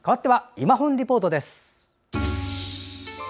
「いまほんリポート」。